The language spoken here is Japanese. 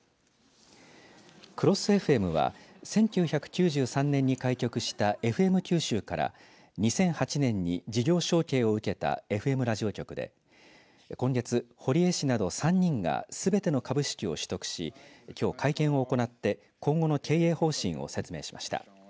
ＣＲＯＳＳＦＭは１９９３年に開局したエフエム九州から２００８年に事業承継を受けたＦＭラジオ局で今月、堀江氏など３人がすべての株式を取得しきょう、会見を行って今後の経営方針を説明しました。